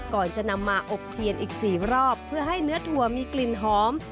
ก่อนจะนำมาอบเทียนอีก๔รอบเพื่อให้เนื้อถั่วมีกลิ่นหอม